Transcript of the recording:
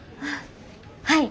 はい。